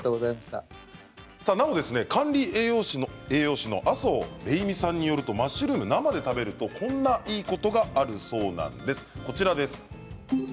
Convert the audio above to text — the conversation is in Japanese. なお管理栄養士の麻生れいみさんによるとマッシュルームは生で食べるとこんないいことがあるそうです。